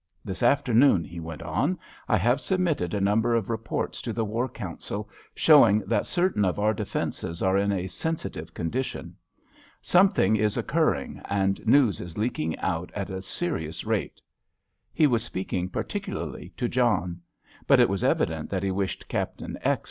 This afternoon," he went on, "I have submitted a number of reports to the War Council, showing that certain of our defences are in a sensitive condition. Something is occurring, and news is leaking out at a serious rate." He was speaking particularly to John. But it was evident that he wished Captain X.